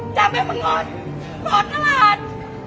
จะไม่มางดก่อนตลาด